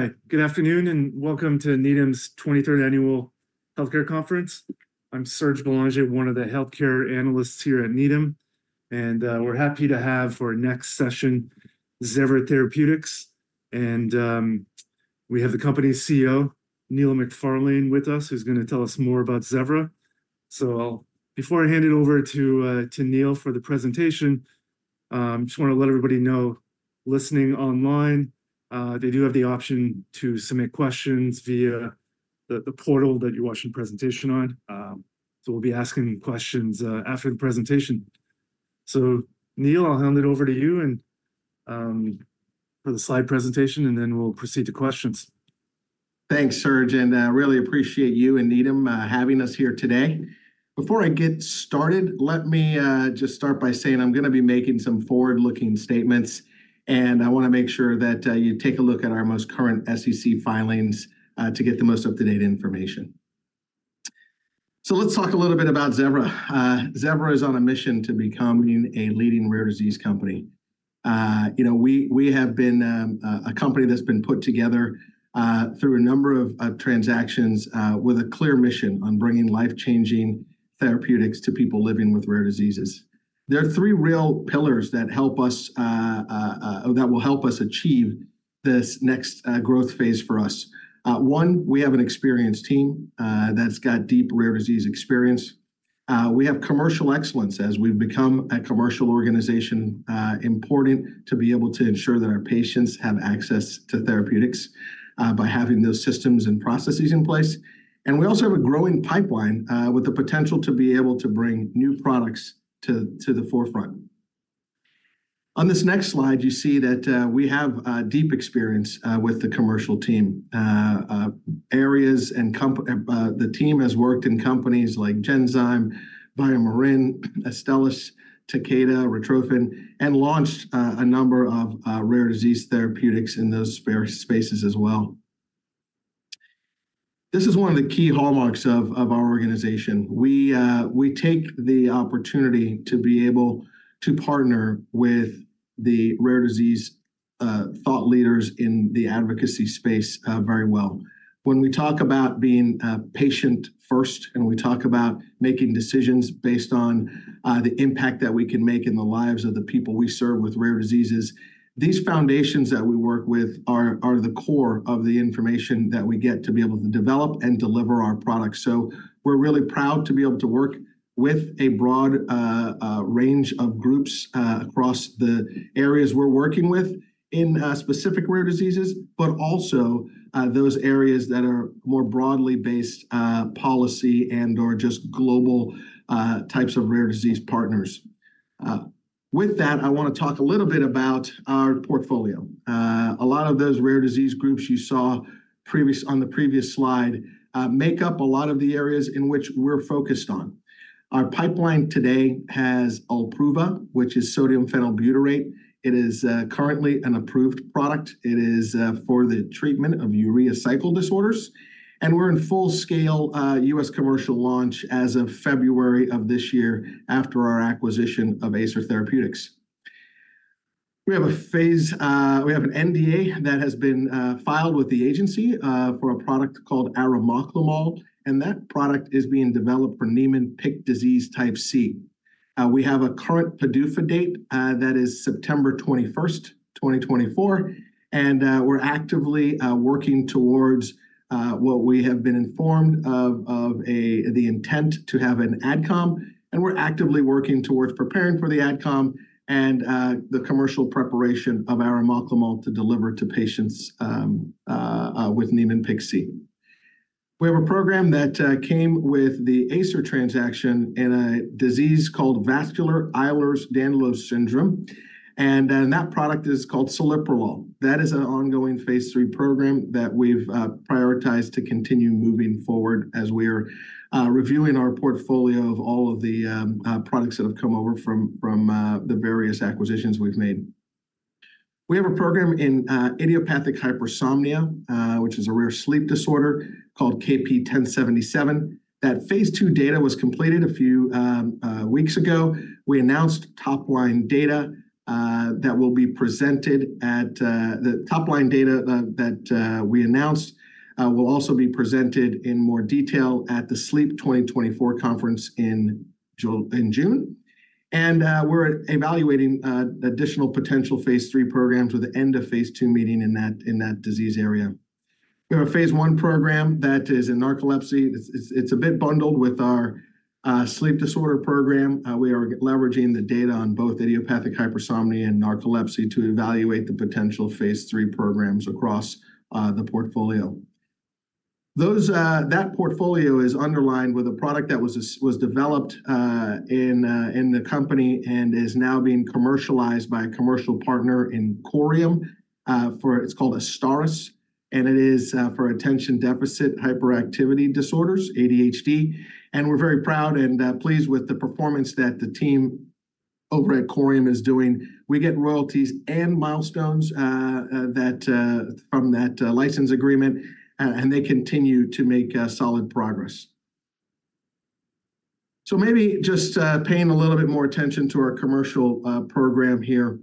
Hi, good afternoon, and welcome to Needham's 23rd Annual Healthcare Conference. I'm Serge Belanger, one of the healthcare analysts here at Needham, and we're happy to have, for our next session, Zevra Therapeutics. And we have the company's CEO, Neil McFarlane, with us, who's gonna tell us more about Zevra. So before I hand it over to Neil for the presentation, just wanna let everybody know, listening online, they do have the option to submit questions via the portal that you're watching the presentation on. So we'll be asking questions after the presentation. So Neil, I'll hand it over to you and for the slide presentation, and then we'll proceed to questions. Thanks, Serge, and really appreciate you and Needham having us here today. Before I get started, let me just start by saying I'm gonna be making some forward-looking statements, and I wanna make sure that you take a look at our most current SEC filings to get the most up-to-date information. So let's talk a little bit about Zevra. Zevra is on a mission to becoming a leading rare disease company. You know, we have been a company that's been put together through a number of transactions with a clear mission on bringing life-changing therapeutics to people living with rare diseases. There are three real pillars that will help us achieve this next growth phase for us. One, we have an experienced team that's got deep rare disease experience. We have commercial excellence, as we've become a commercial organization important to be able to ensure that our patients have access to therapeutics by having those systems and processes in place. And we also have a growing pipeline with the potential to be able to bring new products to the forefront. On this next slide, you see that we have deep experience with the commercial team. The team has worked in companies like Genzyme, BioMarin, Astellas, Takeda, Retrophin, and launched a number of rare disease therapeutics in those rare spaces as well. This is one of the key hallmarks of our organization. We, we take the opportunity to be able to partner with the rare disease, thought leaders in the advocacy space, very well. When we talk about being, patient first, and we talk about making decisions based on, the impact that we can make in the lives of the people we serve with rare diseases, these foundations that we work with are the core of the information that we get to be able to develop and deliver our products. So we're really proud to be able to work with a broad, range of groups, across the areas we're working with in, specific rare diseases, but also, those areas that are more broadly based, policy and/or just global, types of rare disease partners. With that, I wanna talk a little bit about our portfolio. A lot of those rare disease groups you saw previous, on the previous slide, make up a lot of the areas in which we're focused on. Our pipeline today has OLPRUVA, which is sodium phenylbutyrate. It is currently an approved product. It is for the treatment of urea cycle disorders, and we're in full-scale U.S. commercial launch as of February of this year after our acquisition of Acer Therapeutics. We have a phase... We have an NDA that has been filed with the agency for a product called arimoclomol, and that product is being developed for Niemann-Pick disease type C. We have a current PDUFA date that is September 21, 2024, and we're actively working towards what we have been informed of, the intent to have an AdCom, and we're actively working towards preparing for the AdCom and the commercial preparation of arimoclomol to deliver to patients with Niemann-Pick C. We have a program that came with the Acer transaction in a disease called vascular Ehlers-Danlos syndrome, and that product is called celiprolol. That is an ongoing phase IIIA program that we've prioritized to continue moving forward as we're reviewing our portfolio of all of the products that have come over from the various acquisitions we've made. We have a program in idiopathic hypersomnia, which is a rare sleep disorder, called KP1077. That phase II data was completed a few weeks ago. We announced top-line data that will be presented at... The top-line data that we announced will also be presented in more detail at the Sleep 2024 conference in June. We're evaluating additional potential phase III programs with the end-of-phase II meeting in that disease area. We have a phase I program that is in narcolepsy. It's a bit bundled with our sleep disorder program. We are leveraging the data on both idiopathic hypersomnia and narcolepsy to evaluate the potential phase III programs across the portfolio. That portfolio is underlined with a product that was developed in the company and is now being commercialized by a commercial partner in Corium. It's called AZSTARYS, and it is for attention deficit hyperactivity disorders, ADHD, and we're very proud and pleased with the performance that the team over at Corium is doing. We get royalties and milestones that from that license agreement and they continue to make solid progress. So maybe just paying a little bit more attention to our commercial program here.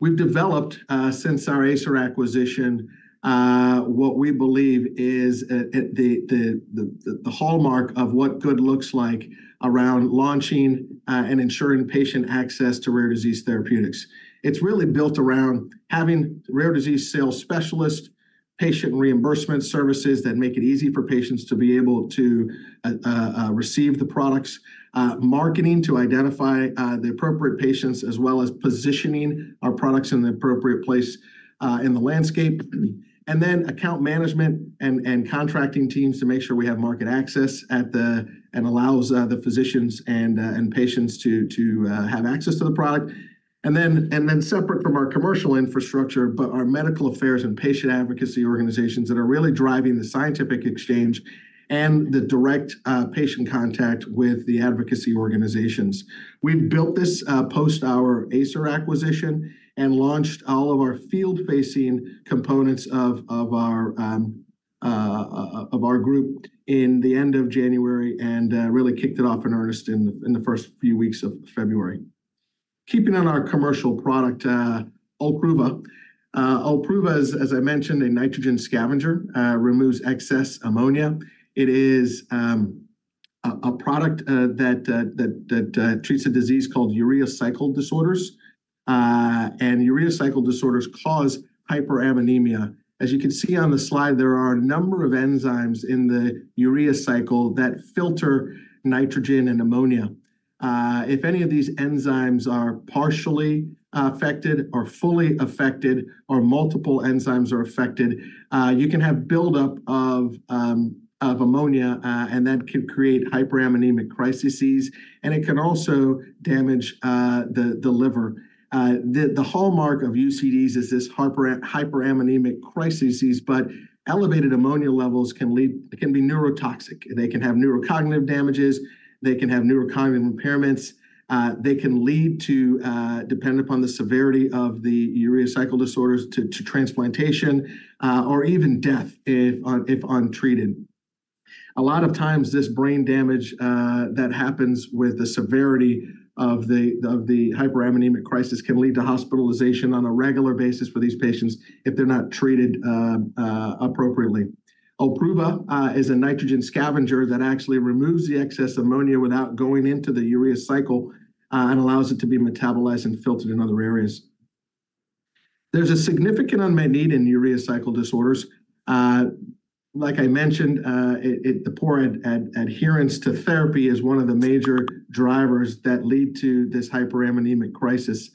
We've developed since our Acer acquisition what we believe is at the hallmark of what good looks like around launching and ensuring patient access to rare disease therapeutics. It's really built around having rare disease sales specialist, patient reimbursement services that make it easy for patients to be able to receive the products, marketing to identify the appropriate patients, as well as positioning our products in the appropriate place in the landscape. And then account management and contracting teams to make sure we have market access at the, and allows the physicians and patients to have access to the product. And then separate from our commercial infrastructure, but our medical affairs and patient advocacy organizations that are really driving the scientific exchange and the direct patient contact with the advocacy organizations. We've built this post our Acer acquisition and launched all of our field-facing components of our group in the end of January, and really kicked it off in earnest in the first few weeks of February. Keeping on our commercial product, OLPRUVA. OLPRUVA, as I mentioned, a nitrogen scavenger, removes excess ammonia. It is a product that treats a disease called urea cycle disorders. Urea cycle disorders cause hyperammonemia. As you can see on the slide, there are a number of enzymes in the urea cycle that filter nitrogen and ammonia. If any of these enzymes are partially affected or fully affected, or multiple enzymes are affected, you can have buildup of ammonia, and that can create hyperammonemic crisis, and it can also damage the liver. The hallmark of UCDs is this hyperammonemic crisis, but elevated ammonia levels can be neurotoxic. They can have neurocognitive damages, they can have neurocognitive impairments. They can lead to, dependent upon the severity of the urea cycle disorders, to transplantation or even death if untreated. A lot of times this brain damage that happens with the severity of the hyperammonemic crisis can lead to hospitalization on a regular basis for these patients if they're not treated appropriately. OLPRUVA, uh, is a nitrogen scavenger that actually removes the excess ammonia without going into the urea cycle, uh, and allows it to be metabolized and filtered in other areas. There's a significant unmet need in urea cycle disorders. Uh, like I mentioned, uh, it, it-- the poor adherence to therapy is one of the major drivers that lead to this hyperammonemic crisis.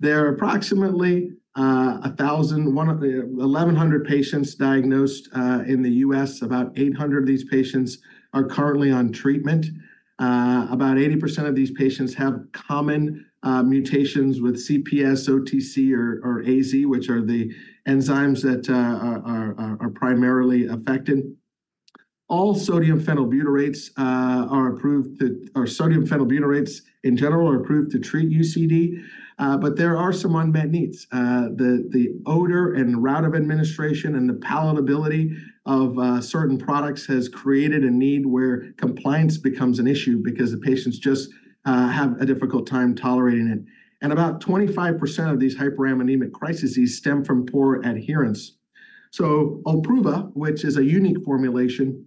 There are approximately, uh, 1,100 patients diagnosed, uh, in the US. About 800 of these patients are currently on treatment. Uh, about 80% of these patients have common, uh, mutations with CPS, OTC, or, or AS, which are the enzymes that, uh, are primarily affected. All sodium phenylbutyrates, uh, are approved to... or sodium phenylbutyrates, in general, are approved to treat UCD, uh, but there are some unmet needs. The odor and route of administration and the palatability of certain products has created a need where compliance becomes an issue because the patients just have a difficult time tolerating it. And about 25% of these hyperammonemic crises stem from poor adherence. So OLPRUVA, which is a unique formulation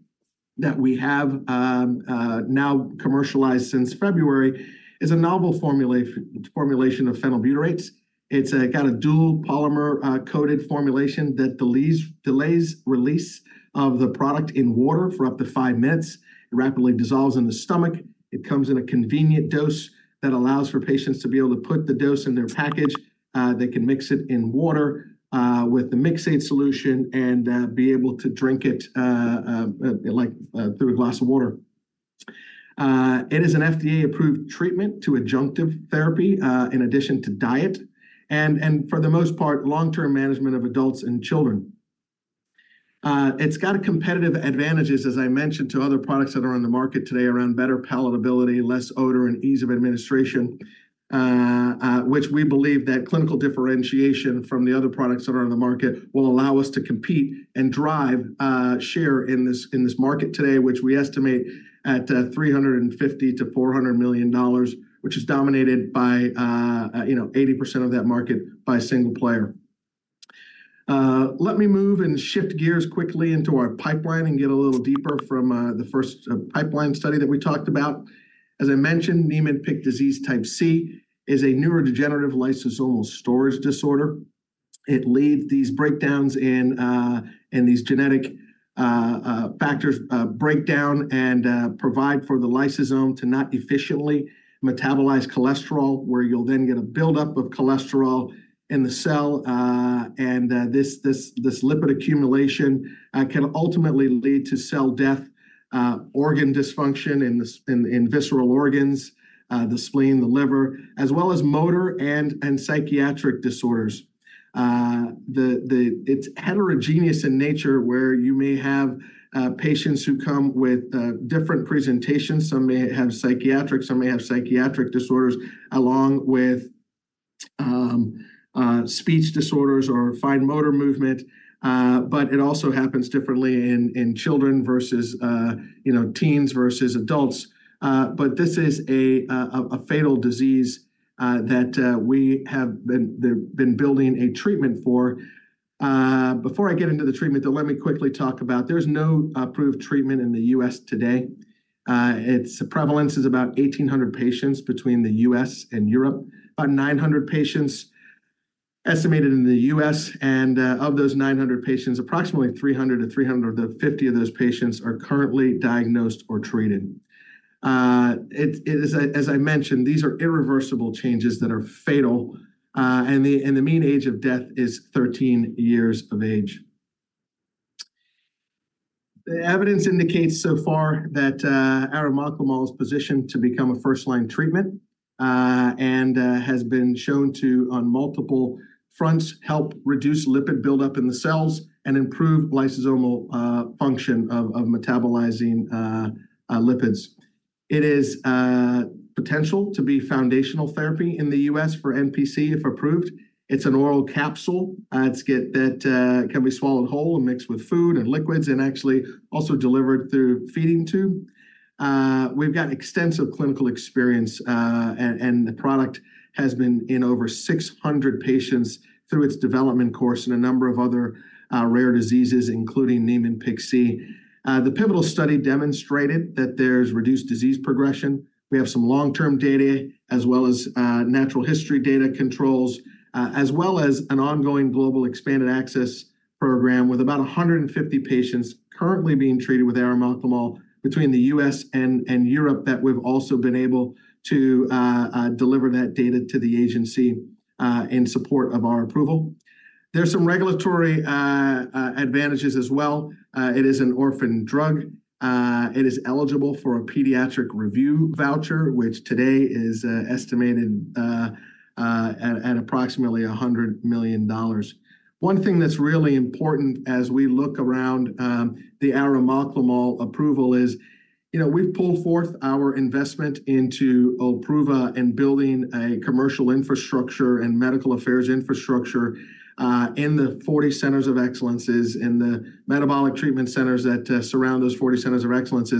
that we have now commercialized since February, is a novel formulation of phenylbutyrates. It's a kind of dual polymer coated formulation that delays release of the product in water for up to 5 minutes. It rapidly dissolves in the stomach. It comes in a convenient dose that allows for patients to be able to put the dose in their package. They can mix it in water with the mix-aid solution and be able to drink it like through a glass of water. It is an FDA-approved treatment to adjunctive therapy, in addition to diet, and, and for the most part, long-term management of adults and children. It's got competitive advantages, as I mentioned, to other products that are on the market today around better palatability, less odor, and ease of administration, which we believe that clinical differentiation from the other products that are on the market will allow us to compete and drive share in this, in this market today, which we estimate at $350 million-$400 million, which is dominated by, you know, 80% of that market by a single player. Let me move and shift gears quickly into our pipeline and get a little deeper from the first pipeline study that we talked about. As I mentioned, Niemann-Pick disease type C is a neurodegenerative lysosomal storage disorder. It leaves these breakdowns in in these genetic factors breakdown and provide for the lysosome to not efficiently metabolize cholesterol, where you'll then get a buildup of cholesterol in the cell. And this lipid accumulation can ultimately lead to cell death, organ dysfunction in visceral organs, the spleen, the liver, as well as motor and psychiatric disorders. It's heterogeneous in nature, where you may have patients who come with different presentations. Some may have psychiatric, some may have psychiatric disorders, along with speech disorders or fine motor movement, but it also happens differently in children versus, you know, teens versus adults. This is a fatal disease that we have been building a treatment for. Before I get into the treatment, though, let me quickly talk about there's no approved treatment in the U.S. today. Its prevalence is about 1,800 patients between the U.S. and Europe. About 900 patients estimated in the U.S., and of those 900 patients, approximately 300-350 of those patients are currently diagnosed or treated. As I mentioned, these are irreversible changes that are fatal, and the mean age of death is 13 years of age. The evidence indicates so far that arimoclomol is positioned to become a first-line treatment and has been shown to, on multiple fronts, help reduce lipid buildup in the cells and improve lysosomal function of metabolizing lipids. It is potential to be foundational therapy in the U.S. for NPC, if approved. It's an oral capsule that can be swallowed whole and mixed with food and liquids, and actually also delivered through feeding tube. We've got extensive clinical experience, and the product has been in over 600 patients through its development course in a number of other rare diseases, including Niemann-Pick C. The pivotal study demonstrated that there's reduced disease progression. We have some long-term data, as well as natural history data controls, as well as an ongoing global expanded access program with about 150 patients currently being treated with arimoclomol between the U.S. and Europe, that we've also been able to deliver that data to the agency in support of our approval. There's some regulatory advantages as well. It is an orphan drug. It is eligible for a pediatric review voucher, which today is estimated at approximately $100 million. One thing that's really important as we look around, the arimoclomol approval is, you know, we've pulled forth our investment into OLPRUVA and building a commercial infrastructure and medical affairs infrastructure in the 40 centers of excellence, in the metabolic treatment centers that surround those 40 centers of excellence.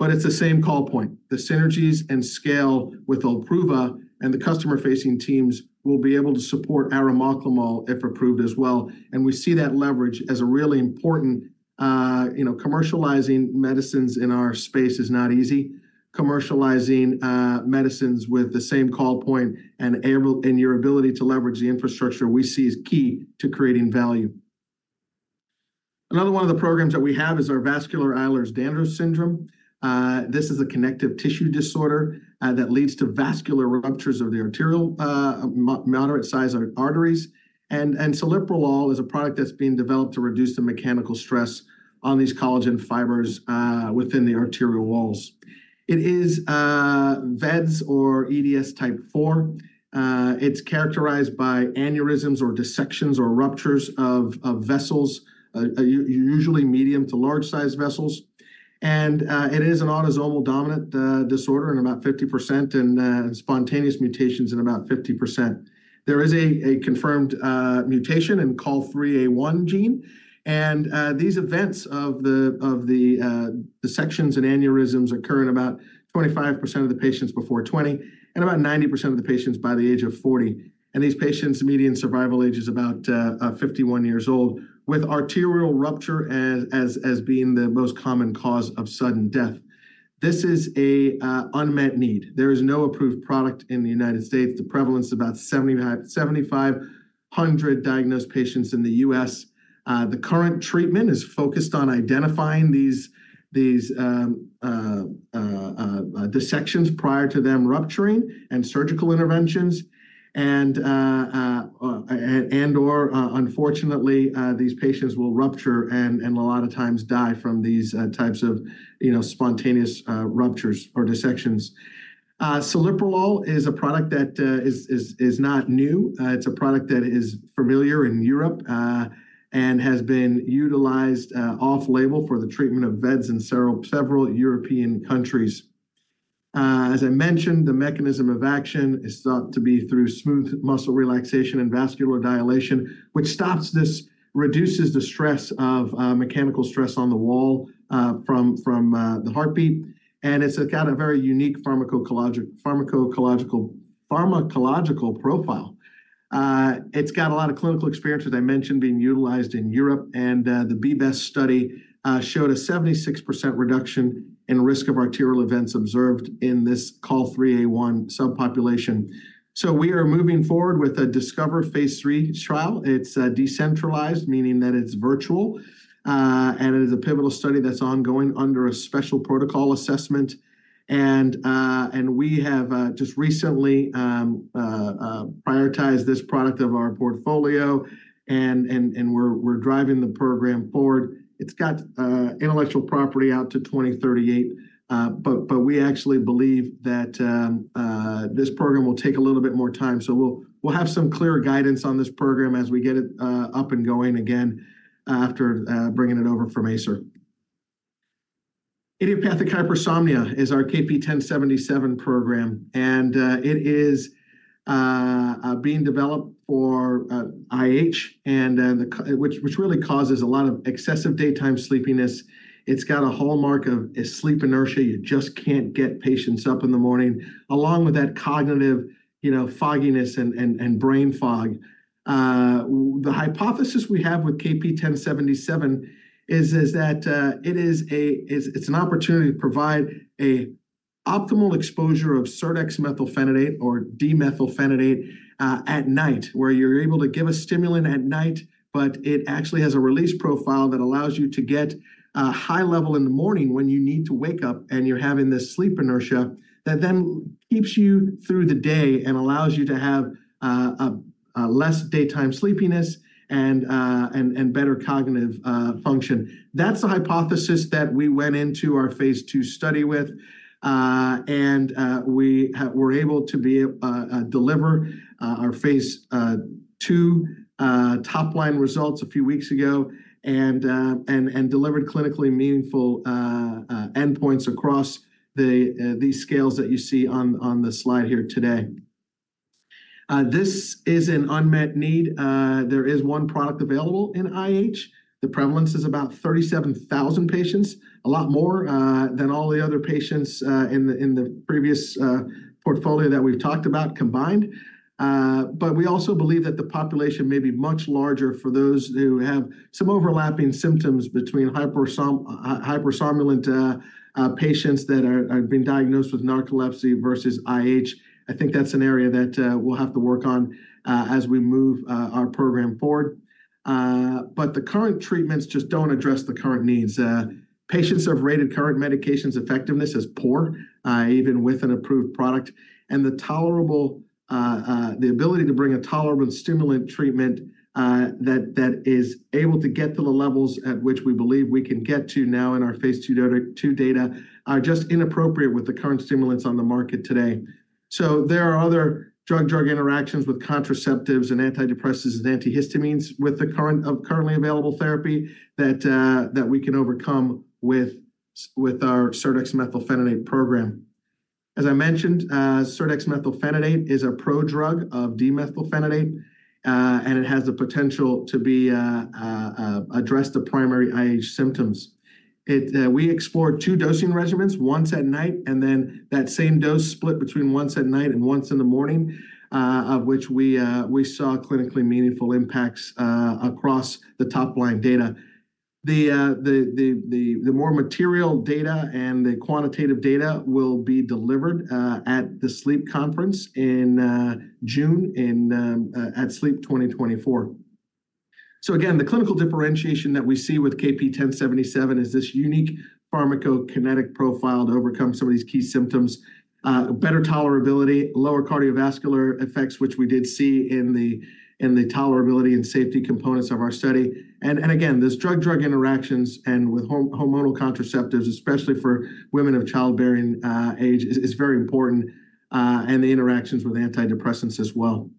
But it's the same call point. The synergies and scale with OLPRUVA and the customer-facing teams will be able to support arimoclomol if approved as well, and we see that leverage as a really important... You know, commercializing medicines in our space is not easy. Commercializing medicines with the same call point and your ability to leverage the infrastructure, we see as key to creating value. Another one of the programs that we have is our vascular Ehlers-Danlos syndrome. This is a connective tissue disorder that leads to vascular ruptures of the arterial moderate-sized arteries. And celiprolol is a product that's being developed to reduce the mechanical stress on these collagen fibers within the arterial walls. It is VEDS or EDS type four. It's characterized by aneurysms or dissections or ruptures of vessels, usually medium to large-sized vessels. It is an autosomal dominant disorder in about 50%, and spontaneous mutations in about 50%. There is a confirmed mutation in COL3A1 gene, and these events of the dissections and aneurysms occur in about 25% of the patients before 20, and about 90% of the patients by the age of 40. These patients, the median survival age is about 51 years old, with arterial rupture as being the most common cause of sudden death. This is an unmet need. There is no approved product in the United States. The prevalence is about 7,500 diagnosed patients in the U.S. The current treatment is focused on identifying these dissections prior to them rupturing and surgical interventions, and/or, unfortunately, these patients will rupture and a lot of times die from these types of, you know, spontaneous ruptures or dissections. Celiprolol is a product that is not new. It's a product that is familiar in Europe and has been utilized off-label for the treatment of VEDS in several European countries. As I mentioned, the mechanism of action is thought to be through smooth muscle relaxation and vascular dilation, which stops this, reduces the stress of mechanical stress on the wall from the heartbeat, and it's got a very unique pharmacological profile. It's got a lot of clinical experience, as I mentioned, being utilized in Europe, and the BBEST study showed a 76% reduction in risk of arterial events observed in this COL3A1 subpopulation. So we are moving forward with a DiSCOVER phase III trial. It's decentralized, meaning that it's virtual, and it is a pivotal study that's ongoing under a special protocol assessment. And we have just recently prioritized this product of our portfolio, and we're driving the program forward. It's got intellectual property out to 2038, but we actually believe that this program will take a little bit more time. So we'll have some clearer guidance on this program as we get it up and going again, after bringing it over from Acer. Idiopathic hypersomnia is our KP1077 program, and it is being developed for IH, which really causes a lot of excessive daytime sleepiness. It's got a hallmark of sleep inertia. You just can't get patients up in the morning, along with that cognitive, you know, fogginess and brain fog. The hypothesis we have with KP1077 is that it is an opportunity to provide an optimal exposure of serdexmethylphenidate or d-methylphenidate at night, where you're able to give a stimulant at night, but it actually has a release profile that allows you to get a high level in the morning when you need to wake up, and you're having this sleep inertia, that then keeps you through the day and allows you to have a less daytime sleepiness and better cognitive function. That's the hypothesis that we went into our phase II study with. We were able to deliver our phase II top-line results a few weeks ago and delivered clinically meaningful endpoints across these scales that you see on the slide here today. This is an unmet need. There is one product available in IH. The prevalence is about 37,000 patients, a lot more than all the other patients in the previous portfolio that we've talked about combined. But we also believe that the population may be much larger for those who have some overlapping symptoms between hypersomnolent patients that have been diagnosed with narcolepsy versus IH. I think that's an area that we'll have to work on as we move our program forward. But the current treatments just don't address the current needs. Patients have rated current medications' effectiveness as poor, even with an approved product, and the ability to bring a tolerable stimulant treatment that is able to get to the levels at which we believe we can get to now in our phase II data are just inappropriate with the current stimulants on the market today. So there are other drug-drug interactions with contraceptives, and antidepressants, and antihistamines with the currently available therapy that we can overcome with our serdexmethylphenidate program. As I mentioned, serdexmethylphenidate is a prodrug of dexmethylphenidate, and it has the potential to address the primary IH symptoms. We explored two dosing regimens, once at night, and then that same dose split between once at night and once in the morning, of which we saw clinically meaningful impacts across the top-line data. The more material data and the quantitative data will be delivered at the Sleep Conference in June, at Sleep 2024. So again, the clinical differentiation that we see with KP1077 is this unique pharmacokinetic profile to overcome some of these key symptoms. Better tolerability, lower cardiovascular effects, which we did see in the tolerability and safety components of our study. And again, this drug-drug interactions and with hormonal contraceptives, especially for women of childbearing age, is very important, and the interactions with antidepressants as well.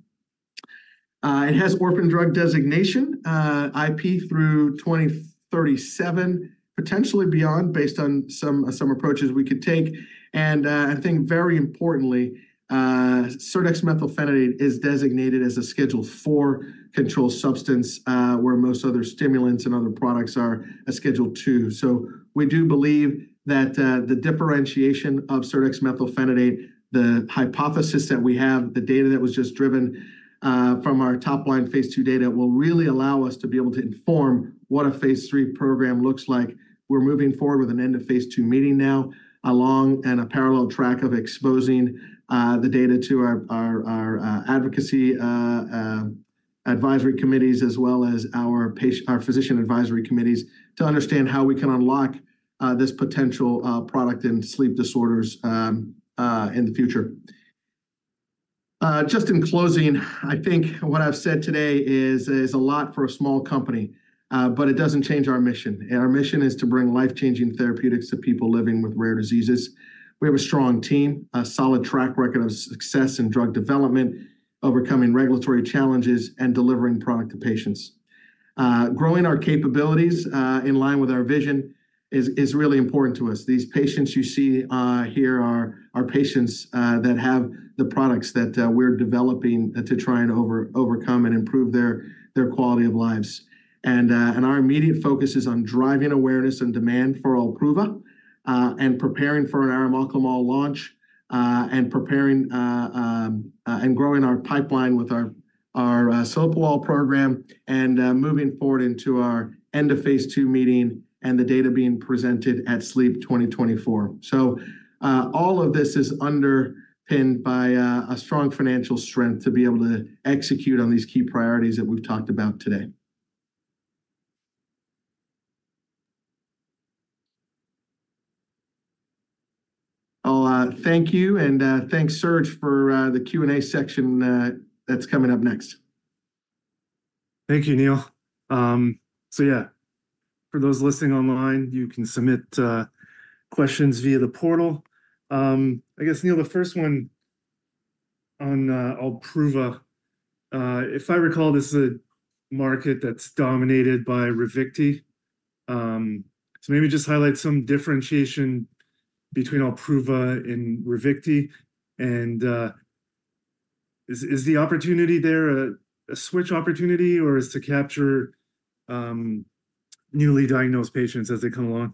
It has orphan drug designation, IP through 2037, potentially beyond, based on some, some approaches we could take. I think very importantly, serdexmethylphenidate is designated as a Schedule IV controlled substance, where most other stimulants and other products are a Schedule II. So we do believe that, the differentiation of serdexmethylphenidate, the hypothesis that we have, the data that was just driven, from our top-line phase II data, will really allow us to be able to inform what a phase III program looks like. We're moving forward with an end-of-phase II meeting now, along and a parallel track of exposing the data to our advocacy advisory committees, as well as our patient, our physician advisory committees, to understand how we can unlock this potential product in sleep disorders in the future. Just in closing, I think what I've said today is a lot for a small company, but it doesn't change our mission, and our mission is to bring life-changing therapeutics to people living with rare diseases. We have a strong team, a solid track record of success in drug development, overcoming regulatory challenges, and delivering product to patients. Growing our capabilities in line with our vision is really important to us. These patients you see here are patients that have the products that we're developing to try and overcome and improve their quality of lives. And our immediate focus is on driving awareness and demand for OLPRUVA, and preparing for an arimoclomol launch, and preparing and growing our pipeline with our KP1077 program, and moving forward into our end-of-phase II meeting, and the data being presented at Sleep 2024. So all of this is underpinned by a strong financial strength to be able to execute on these key priorities that we've talked about today. I'll thank you, and thank Serge for the Q&A section that's coming up next. Thank you, Neil. So yeah, for those listening online, you can submit questions via the portal. I guess, Neil, the first one on OLPRUVA. If I recall, this is a market that's dominated by Ravicti. So maybe just highlight some differentiation between OLPRUVA and Ravicti, and is the opportunity there a switch opportunity, or is it to capture newly diagnosed patients as they come along?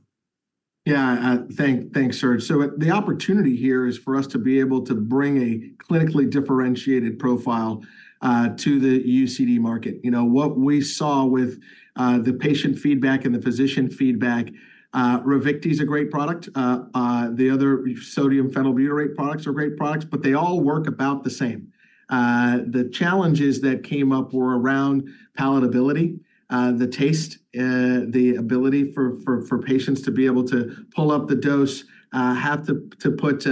Yeah, thanks, Serge. So the opportunity here is for us to be able to bring a clinically differentiated profile to the UCD market. You know, what we saw with the patient feedback and the physician feedback, Ravicti is a great product. The other sodium phenylbutyrate products are great products, but they all work about the same. The challenges that came up were around palatability, the taste, the ability for patients to be able to pull up the dose, have to put, you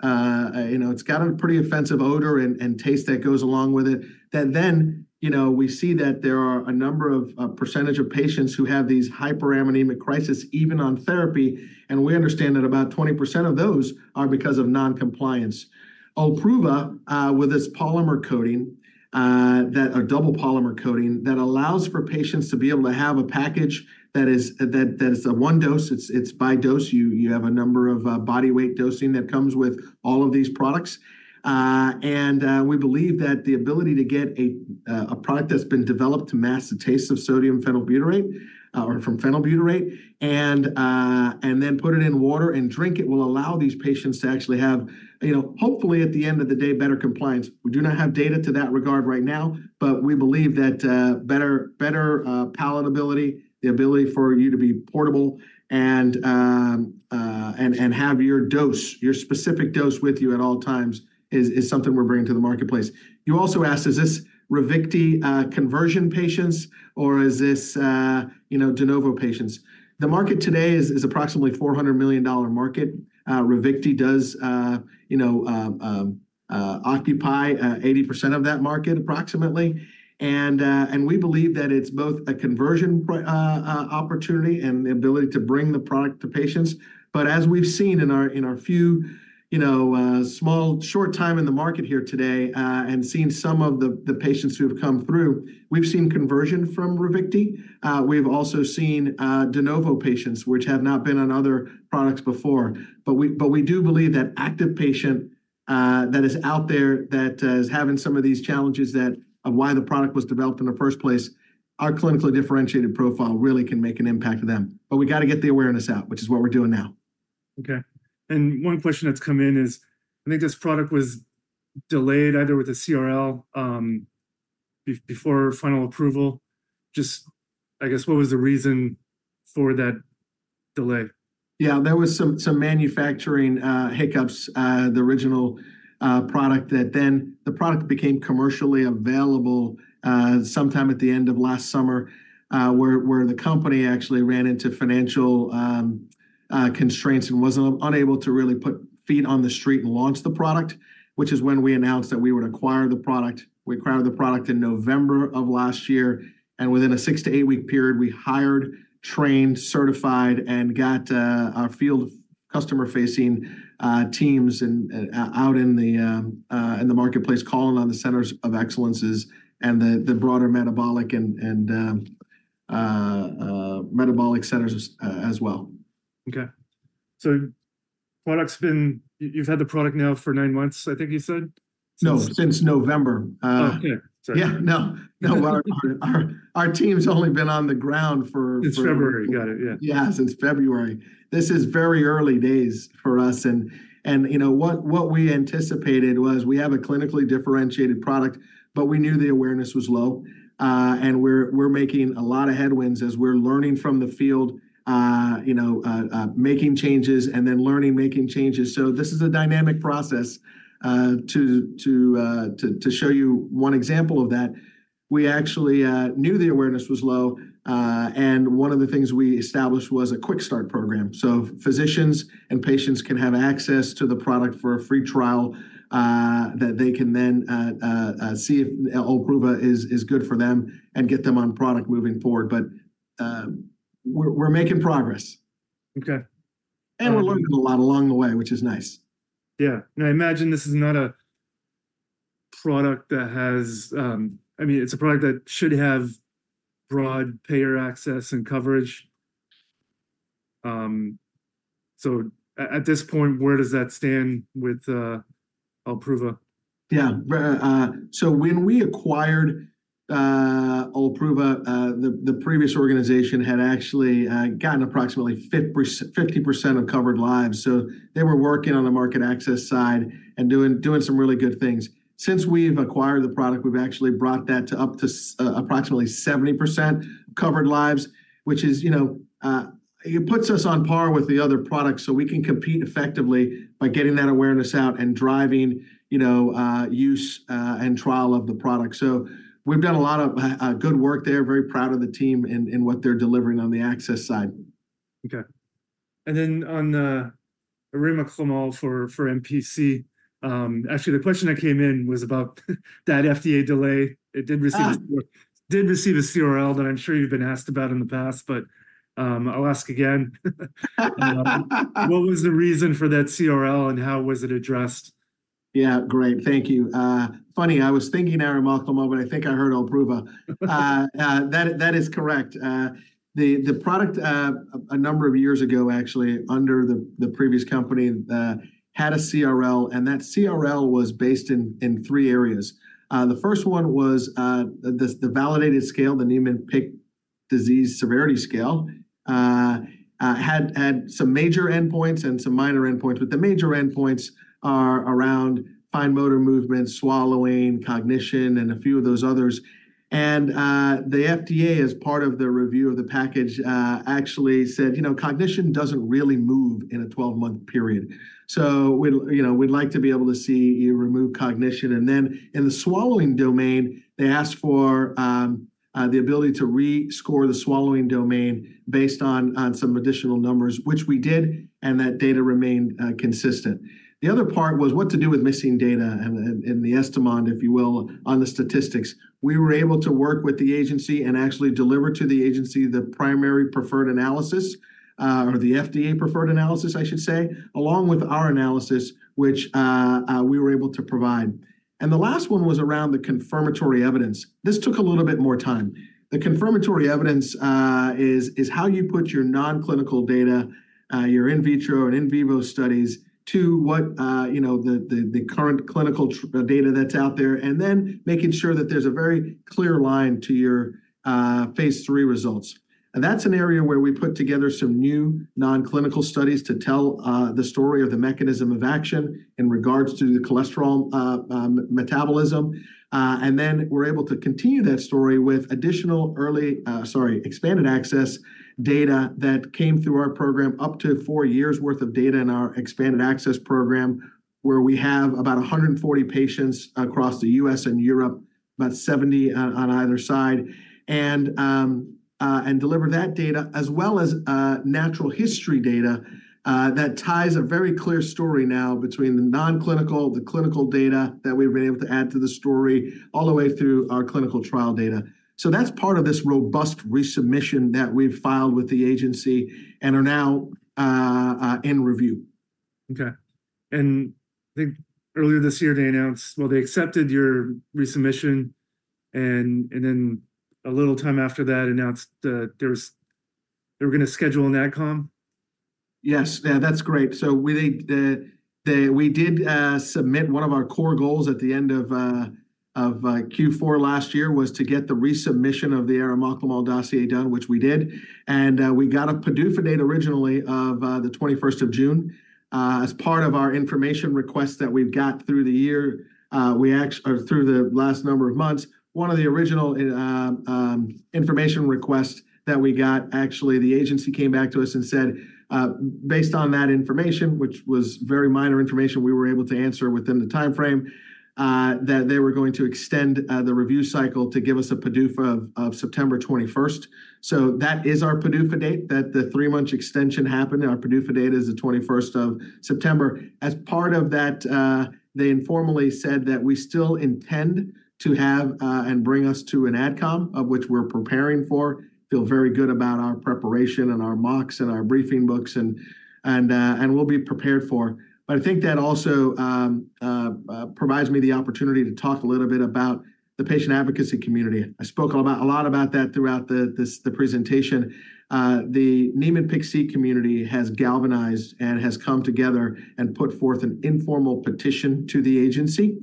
know, it's got a pretty offensive odor and taste that goes along with it. Then, you know, we see that there are a number of, a percentage of patients who have these hyperammonemic crisis, even on therapy, and we understand that about 20% of those are because of noncompliance. OLPRUVA, with its polymer coating, that's a double polymer coating, that allows for patients to be able to have a package that is a one dose. It's by dose. You have a number of body weight dosing that comes with all of these products. And we believe that the ability to get a product that's been developed to mask the taste of sodium phenylbutyrate, or from phenylbutyrate, and then put it in water and drink it, will allow these patients to actually have, you know, hopefully, at the end of the day, better compliance. We do not have data to that regard right now, but we believe that better palatability, the ability for you to be portable, and have your dose, your specific dose with you at all times is something we're bringing to the marketplace. You also asked, is this Ravicti conversion patients, or is this you know de novo patients? The market today is approximately $400 million market. Ravicti does you know occupy 80% of that market, approximately. And we believe that it's both a conversion opportunity and the ability to bring the product to patients. But as we've seen in our few, you know, small, short time in the market here today, and seen some of the patients who have come through, we've seen conversion from Ravicti. We've also seen de novo patients, which have not been on other products before. But we do believe that active patient that is out there that is having some of these challenges, that's why the product was developed in the first place, our clinically differentiated profile really can make an impact to them. But we got to get the awareness out, which is what we're doing now. Okay. One question that's come in is, I think this product was delayed either with the CRL, before final approval. Just, I guess, what was the reason for that delay? Yeah, there was some manufacturing hiccups, the original product that then the product became commercially available sometime at the end of last summer, where the company actually ran into financial constraints and wasn't unable to really put feet on the street and launch the product, which is when we announced that we would acquire the product. We acquired the product in November of last year, and within a six-eight-week period, we hired, trained, certified, and got our field customer-facing teams out in the marketplace, calling on the centers of excellence and the broader metabolic and metabolic centers as well. Okay. So product's been... You've had the product now for nine months, I think you said? No, since November. Oh, yeah, sorry. Yeah, no, no. But our team's only been on the ground for- Since February. Got it. Yeah. Yeah, since February. This is very early days for us, and you know, what we anticipated was we have a clinically differentiated product, but we knew the awareness was low. And we're making a lot of headway as we're learning from the field, you know, making changes and then learning, making changes. So this is a dynamic process. To show you one example of that, we actually knew the awareness was low, and one of the things we established was a quick start program. So physicians and patients can have access to the product for a free trial, that they can then see if OLPRUVA is good for them and get them on product moving forward. But we're making progress. Okay. We're learning a lot along the way, which is nice. Yeah. I imagine this is not a product that has, I mean, it's a product that should have broad payer access and coverage. So at this point, where does that stand with OLPRUVA? Yeah. So when we acquired OLPRUVA, the previous organization had actually gotten approximately 50% of covered lives. So they were working on the market access side and doing some really good things. Since we've acquired the product, we've actually brought that up to approximately 70% covered lives, which is, you know, it puts us on par with the other products. So we can compete effectively by getting that awareness out and driving, you know, use and trial of the product. So we've done a lot of good work there. Very proud of the team and what they're delivering on the access side. Okay. And then on the arimoclomol for NPC, actually, the question that came in was about that FDA delay. It did receive- Ah!... did receive a CRL that I'm sure you've been asked about in the past, but, I'll ask again. What was the reason for that CRL, and how was it addressed? ... Yeah, great. Thank you. Funny, I was thinking arimoclomol, but I think I heard OLPRUVA. That is correct. The product, a number of years ago, actually, under the previous company, had a CRL, and that CRL was based in three areas. The first one was the validated scale, the Niemann-Pick Disease Severity Scale, had some major endpoints and some minor endpoints, but the major endpoints are around fine motor movement, swallowing, cognition, and a few of those others. The FDA, as part of their review of the package, actually said, "You know, cognition doesn't really move in a 12-month period. So we'd, you know, we'd like to be able to see you remove cognition." And then in the swallowing domain, they asked for the ability to rescore the swallowing domain based on some additional numbers, which we did, and that data remained consistent. The other part was what to do with missing data and the estimand, if you will, on the statistics. We were able to work with the agency and actually deliver to the agency the primary preferred analysis or the FDA-preferred analysis, I should say, along with our analysis, which we were able to provide. And the last one was around the confirmatory evidence. This took a little bit more time. The confirmatory evidence is how you put your non-clinical data, your in vitro and in vivo studies to what, you know, the current clinical data that's out there, and then making sure that there's a very clear line to your phase III results. That's an area where we put together some new non-clinical studies to tell the story of the mechanism of action in regards to the cholesterol metabolism. And then we're able to continue that story with expanded access data that came through our program, up to four years' worth of data in our expanded access program, where we have about 140 patients across the U.S. and Europe, about 70 on either side. And deliver that data, as well as, natural history data, that ties a very clear story now between the non-clinical, the clinical data that we've been able to add to the story, all the way through our clinical trial data. So that's part of this robust resubmission that we've filed with the agency and are now, in review. Okay. And I think earlier this year, they announced... Well, they accepted your resubmission, and then a little time after that, announced that there was, they were going to schedule an AdCom? Yes. Yeah, that's great. So we think that the, we did, submit one of our core goals at the end of, of, Q4 last year, was to get the resubmission of the arimoclomol dossier done, which we did. And, we got a PDUFA date originally of, the 21st of June. As part of our information request that we've got through the year, or through the last number of months, one of the original information request that we got, actually, the agency came back to us and said, "Based on that information," which was very minor information we were able to answer within the timeframe, that they were going to extend the review cycle to give us a PDUFA of, September 21st. So that is our PDUFA date, that the 3-month extension happened. Our PDUFA date is the 21st of September. As part of that, they informally said that we still intend to have, and bring us to an AdCom, of which we're preparing for. Feel very good about our preparation and our mocks and our briefing books, and, and, and we'll be prepared for. But I think that also provides me the opportunity to talk a little bit about the patient advocacy community. I spoke about a lot about that throughout the, this, the presentation. The Niemann-Pick C community has galvanized and has come together and put forth an informal petition to the agency,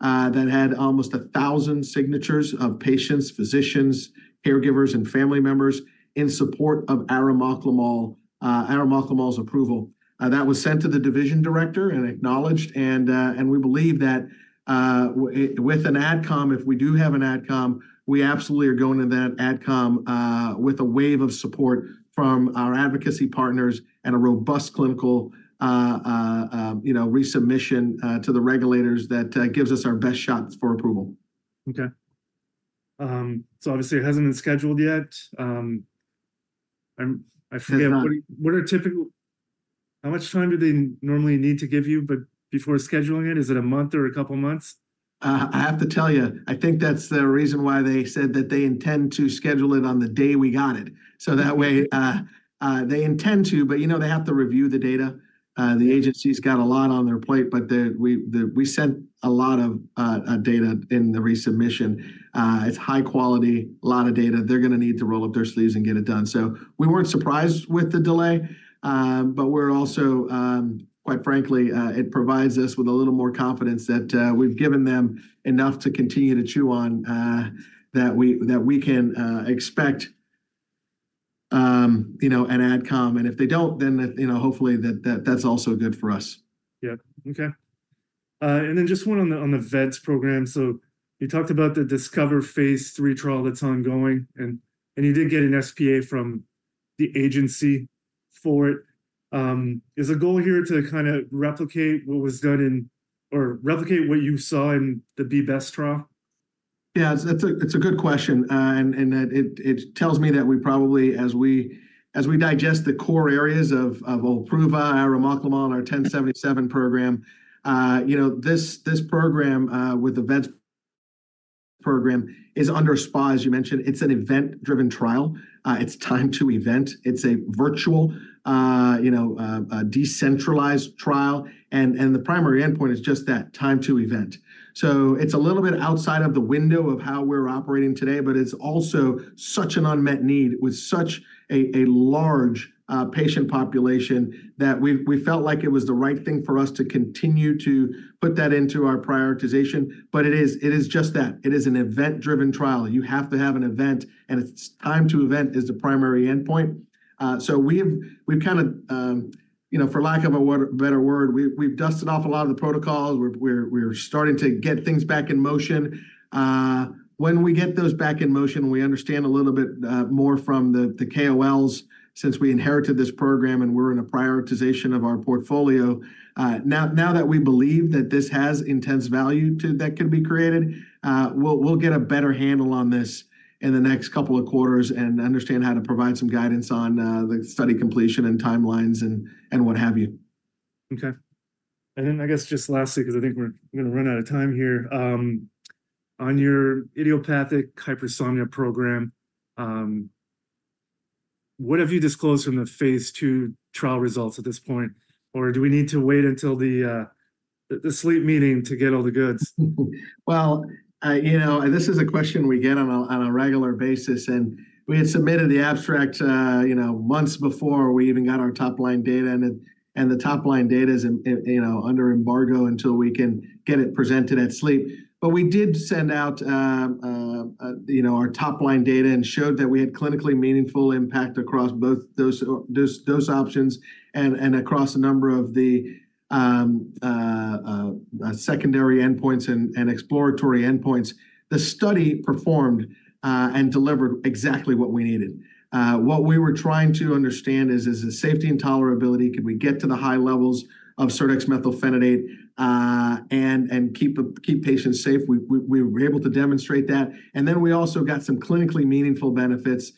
that had almost 1,000 signatures of patients, physicians, caregivers, and family members in support of arimoclomol, arimoclomol's approval. That was sent to the division director and acknowledged, and we believe that with an AdCom, if we do have an AdCom, we absolutely are going to that AdCom with a wave of support from our advocacy partners and a robust clinical, you know, resubmission to the regulators that gives us our best shot for approval. Okay. Obviously, it hasn't been scheduled yet. I forget- It's not. What are typical... How much time do they normally need to give you, but before scheduling it? Is it a month or a couple of months? I have to tell you, I think that's the reason why they said that they intend to schedule it on the day we got it. So that way, they intend to, but, you know, they have to review the data. The agency's got a lot on their plate, but we sent a lot of data in the resubmission. It's high quality, a lot of data. They're gonna need to roll up their sleeves and get it done. So we weren't surprised with the delay, but we're also... Quite frankly, it provides us with a little more confidence that we've given them enough to continue to chew on, that we can expect, you know, an AdCom. And if they don't, then, you know, hopefully, that's also good for us. Yeah. Okay. And then just one on the VEDS program. So you talked about the DiSCOVER phase III trial that's ongoing, and you did get an SPA from the agency for it. Is the goal here to kind of replicate what was done in or replicate what you saw in the BBEST trial? Yeah, it's a good question. And it tells me that we probably, as we digest the core areas of OLPRUVA, arimoclomol, and our KP1077 program, you know, this program with the VEDS program is under SPA, as you mentioned. It's an event-driven trial. It's time to event. It's a virtual, you know, a decentralized trial, and the primary endpoint is just that, time to event. So it's a little bit outside of the window of how we're operating today, but it's also such an unmet need with such a large patient population that we felt like it was the right thing for us to continue to put that into our prioritization. But it is just that. It is an event-driven trial. You have to have an event, and it's time to event is the primary endpoint. So we've kind of, you know, for lack of a better word, we've dusted off a lot of the protocols. We're starting to get things back in motion. When we get those back in motion, we understand a little bit more from the KOLs since we inherited this program, and we're in a prioritization of our portfolio. Now that we believe that this has intense value that can be created, we'll get a better handle on this in the next couple of quarters and understand how to provide some guidance on the study completion and timelines, and what have you. Okay. And then I guess just lastly, 'cause I think we're gonna run out of time here. On your idiopathic hypersomnia program, what have you disclosed from the phase II trial results at this point? Or do we need to wait until the sleep meeting to get all the goods? Well, you know, this is a question we get on a regular basis, and we had submitted the abstract, you know, months before we even got our top-line data, and the top-line data is in, you know, under embargo until we can get it presented at sleep. But we did send out, you know, our top-line data and showed that we had clinically meaningful impact across both those dose options and across a number of the secondary endpoints and exploratory endpoints. The study performed and delivered exactly what we needed. What we were trying to understand is the safety and tolerability, could we get to the high levels of serdexmethylphenidate and keep patients safe? We were able to demonstrate that. And then we also got some clinically meaningful benefits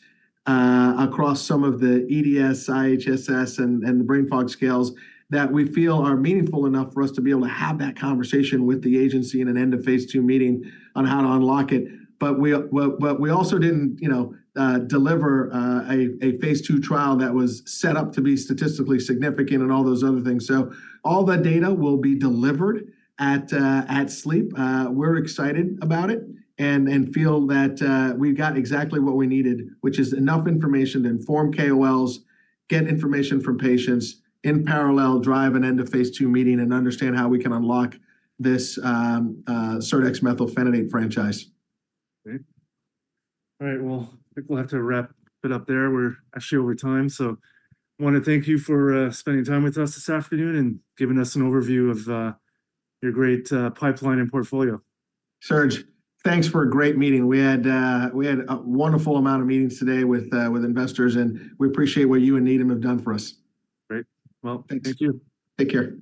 across some of the EDS, IHSS, and the brain fog scales that we feel are meaningful enough for us to be able to have that conversation with the agency in an end-of-phase two meeting on how to unlock it. But we also didn't, you know, deliver a phase two trial that was set up to be statistically significant and all those other things. So all that data will be delivered at Sleep. We're excited about it and feel that we've got exactly what we needed, which is enough information to inform KOLs, get information from patients, in parallel, drive an end-of-phase two meeting, and understand how we can unlock this serdexmethylphenidate franchise. Great. All right, well, I think we'll have to wrap it up there. We're actually over time, so I wanna thank you for spending time with us this afternoon and giving us an overview of your great pipeline and portfolio. Serge, thanks for a great meeting. We had a wonderful amount of meetings today with investors, and we appreciate what you and Needham have done for us. Great. Well, thank you. Thank you. Take care.